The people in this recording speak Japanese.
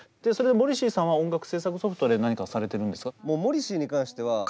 モリシーさんは音楽制作ソフトで何かされてるんですか？